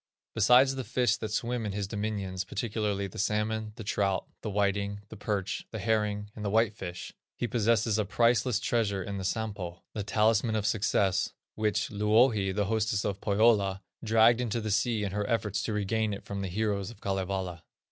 Besides the fish that swim in his dominions, particularly the salmon, the trout, the whiting, the perch, the herring, and the white fish, he possesses a priceless treasure in the Sampo, the talisman of success, which Louhi, the hostess of Pohyola, dragged into the sea in her efforts to regain it from the heroes of Kalevala.